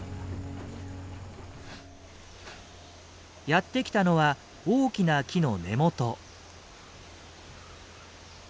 やってきたのは大きな木の根元。